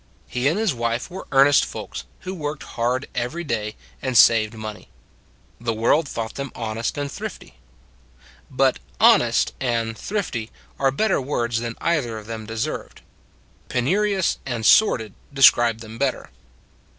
He and his wife were earnest folks, who worked hard every iay and saved money. The world thought them honest and thrifty. But honest and thrifty are better words than either of them deserved; penurious and sordid describe them better.